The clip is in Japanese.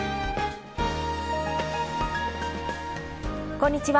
こんにちは